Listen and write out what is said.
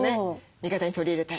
味方に取り入れたい。